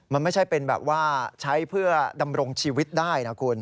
มันไม่ใช่เป็นแบบว่าใช้เพื่อดำรงชีวิตได้นะคุณ